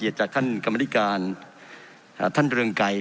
ท่านประธานพิการบ